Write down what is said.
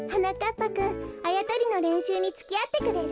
ぱくんあやとりのれんしゅうにつきあってくれる？